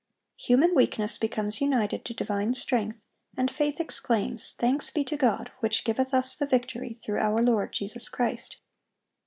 Human weakness becomes united to divine strength, and faith exclaims, "Thanks be to God, which giveth us the victory through our Lord Jesus Christ."